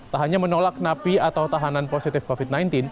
tak hanya menolak napi atau tahanan positif covid sembilan belas